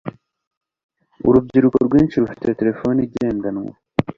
urubyiruko rwinshi rufite terefone igendanwa